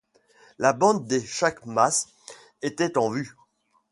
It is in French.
La bande des chacmas était en vue.